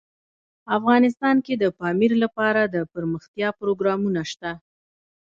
افغانستان کې د پامیر لپاره دپرمختیا پروګرامونه شته.